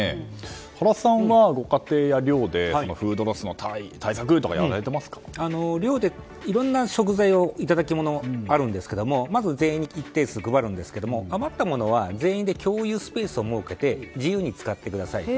原さんはご家庭や寮でフードロスの対策とか寮でいろんな食材いただきものがあるんですけどまず全員に一定数配りますが余ったものは共有スペースを設けて自由に使ってくださいと。